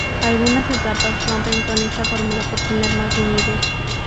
Algunas etapas rompen con esta fórmula por tener más de un nivel.